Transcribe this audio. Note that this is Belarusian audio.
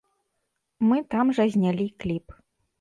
Мы там жа знялі кліп.